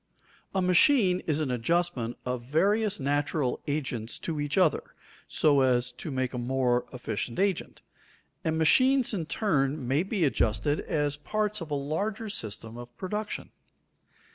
_ A machine is an adjustment of various natural agents to each other so as to make a more efficient agent, and machines in turn may be adjusted as parts of a larger system of production.